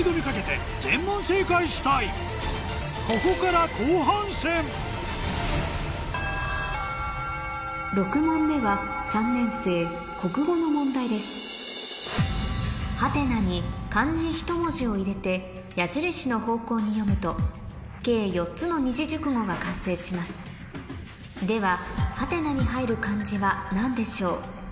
ここから６問目はの問題です「？」に漢字１文字を入れて矢印の方向に読むと計４つの二字熟語が完成しますでは「？」に入る漢字は何でしょう？